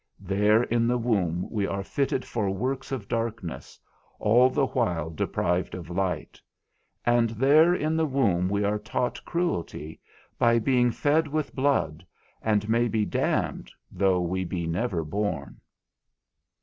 There in the womb we are fitted for works of darkness, all the while deprived of light; and there in the womb we are taught cruelty, by being fed with blood, and may be damned, though we be never born.